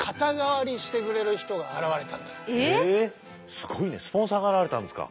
すごいねスポンサーが現れたんですか。